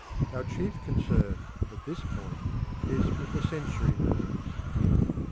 Our chief concern, at this point, is with the sensory nerves.